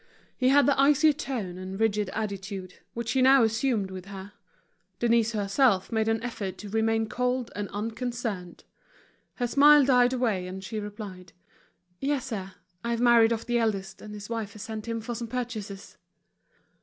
He had the icy tone and rigid attitude, which he now assumed with her. Denise herself made an effort to remain cold and unconcerned. Her smile died away, and she replied: "Yes, sir. I've married off the eldest, and his wife has sent him for some purchases."